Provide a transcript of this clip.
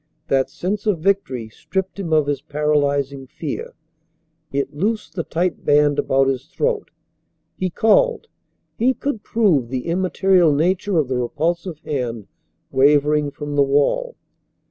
That sense of victory stripped him of his paralyzing fear. It loosed the tight band about his throat. He called. He could prove the immaterial nature of the repulsive hand wavering from the wall.